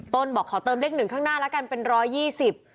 บอกขอเติมเลขหนึ่งข้างหน้าแล้วกันเป็นร้อยยี่สิบ